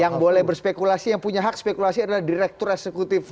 yang boleh berspekulasi yang punya hak spekulasi adalah direktur eksekutif